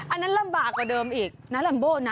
อันนั้นลำบากกว่าเดิมอีกนะลัมโบนะ